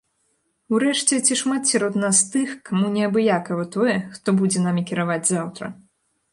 Урэшце ці шмат сярод нас тых, каму неабыякава тое, хто будзе намі кіраваць заўтра?